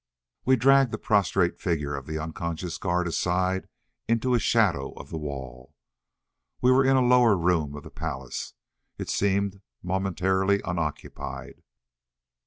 We dragged the prostrate figure of the unconscious guard aside into a shadow of the wall. We were in a lower room of the palace. It seemed momentarily unoccupied.